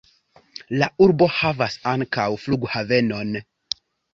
La urbo havas ankaŭ flughavenon.